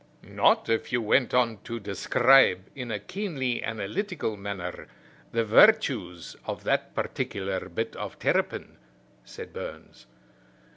"Not if you went on to describe, in a keenly analytical manner, the virtues of that particular bit of terrapin," said Burns.